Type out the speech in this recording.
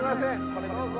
これどうぞ。